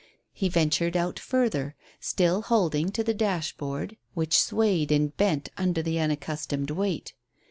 He ventured out further, still holding to the dashboard, which swayed and bent under the unaccustomed weight.